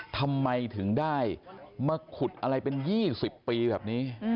ทำไมถึงได้มาขุดอะไรเป็น๒๐ปีแบบนี้